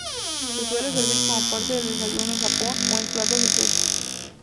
Se suele servir como parte del desayuno en Japón o en platos de sushi.